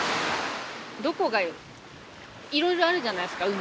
どこがいろいろあるじゃないですか海。